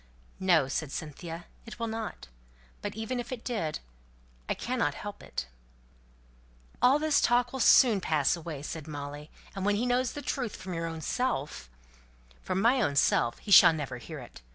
"No!" said Cynthia, "it will not. But even if it did I cannot help it." "All this talk will soon pass away!" said Molly; "and when he knows the truth from your own self " "From my own self he shall never hear it.